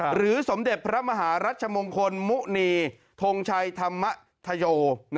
หรือสมเด็จพระมหารัชมงคลมุณีทงชัยธรรมธโย